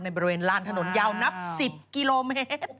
บริเวณลานถนนยาวนับ๑๐กิโลเมตร